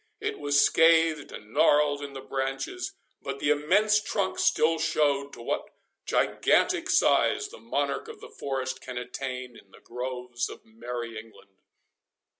It was scathed and gnarled in the branches, but the immense trunk still showed to what gigantic size the monarch of the forest can attain in the groves of merry England.